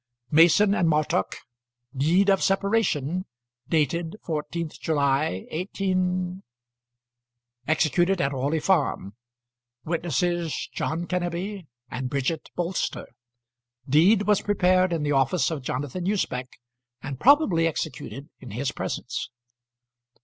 Mason and Martock. Deed of separation; dated 14th July 18 . Executed at Orley Farm. Witnesses John Kenneby; and Bridget Bolster. Deed was prepared in the office of Jonathan Usbech, and probably executed in his presence.